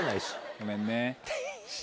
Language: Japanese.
ごめんね。